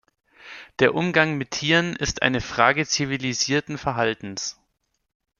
Der Umgang mit Tieren ist eine Frage zivilisierten Verhaltens.